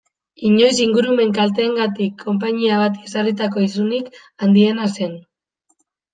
Inoiz ingurumen kalteengatik konpainia bati ezarritako isunik handiena zen.